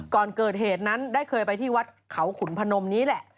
ก่อนเกิดเหตุนั้นได้เคยไปที่วัดเขาขุนพนมนี้แหละ